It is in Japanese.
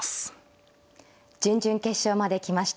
準々決勝まで来ました。